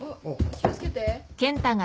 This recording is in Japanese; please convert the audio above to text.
気を付けて。